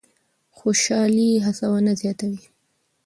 خوشالي هڅونه زیاتوي.